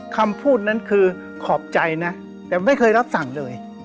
คำพูดนั้นคือขอบใจนะแต่ไม่เคยรับสั่งเลย